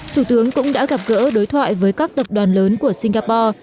thủ tướng cũng đã gặp gỡ đối thoại với các tập đoàn lớn của singapore